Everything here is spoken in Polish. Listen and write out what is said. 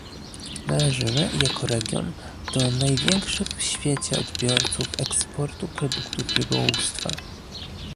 Należymy, jako region, do największych w świecie odbiorców eksportu produktów rybołówstwa